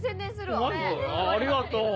ありがとう。